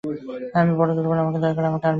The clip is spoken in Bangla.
আমি বড়ো দুর্বল, আমাকে দয়া করো, আমাকে আর মেরো না!